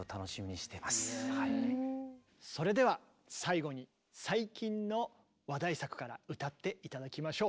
それでは最後に最近の話題作から歌って頂きましょう。